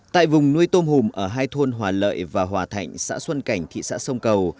tại vùng nuôi tôm hùm ở hai thôn hòa lợi và hòa thạnh xã xuân cảnh thị xã sông cầu